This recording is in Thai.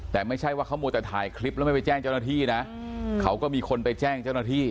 แต่ไม่ใช่ว่าเขามัวแต่ถ่ายคลิปแล้วไม่ไปแจ้งเจ้าหน้าที่นะเขาก็มีคนไปแจ้งเจ้าหน้าที่